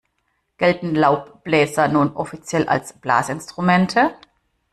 Gelten Laubbläser nun offiziell als Blasinstrumente?